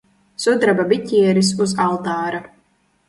Sudraba biķeris uz altāra.